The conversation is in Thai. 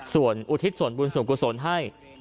ส่วนอุทิศส่วนบุญส่วนกุศลให้